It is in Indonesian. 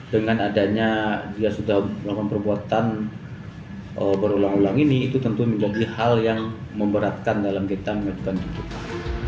dengan adanya dia sudah melakukan perbuatan berulang ulang ini itu tentu menjadi hal yang memberatkan dalam kita mengajukan tuntutan